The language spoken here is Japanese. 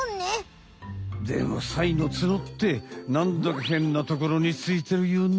でもサイの角ってなんだかへんなところについてるよね？